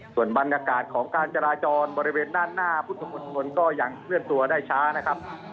ส่วนบรรยากาศของการจราจรบริเวณด้านหน้าพุทธมนตรก็ยังเคลื่อนตัวได้ช้านะครับ